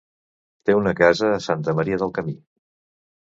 Té una casa a Santa Maria del Camí.